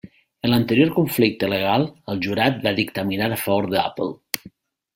En l'anterior conflicte legal, el jurat va dictaminar a favor d'Apple.